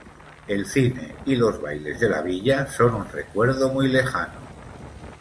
El cine y los bailes de la villa son un recuerdo muy lejano.